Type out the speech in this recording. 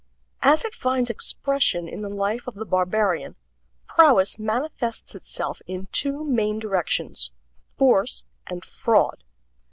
As it finds expression in the life of the barbarian, prowess manifests itself in two main directions force and fraud.